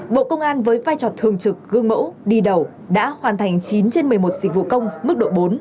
bộ công an với vai trò thường trực gương mẫu đi đầu đã hoàn thành chín trên một mươi một dịch vụ công mức độ bốn